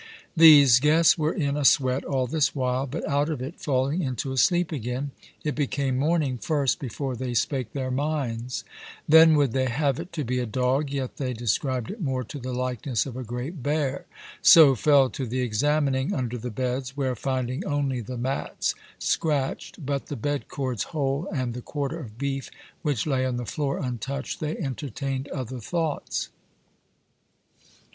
These guests were in a sweat all this while, but out of it falling into a sleep again, it became morning first before they spake their minds; then would they have it to be a dog, yet they described it more to the likeness of a great bear; so fell to the examining under the beds, where, finding only the mats scracht, but the bed coards whole, and the quarter of beef which lay on the floor untoucht, they entertained other thoughts.